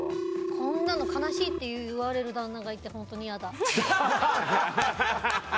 こんなの悲しいって言うような旦那がいて本当にいやだ。